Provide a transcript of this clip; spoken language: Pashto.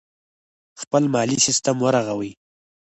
خپل مالي سیستم ورغوي.